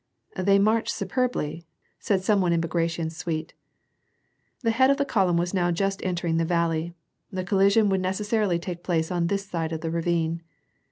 " They march superbly," said some one in Bagration's suite. The head of the column was now just entering the valley. The collision would necessarily take place on this side of the ravine.